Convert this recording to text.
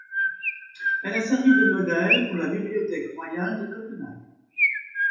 Elle a servi de modèle pour la Bibliothèque royale de Copenhague.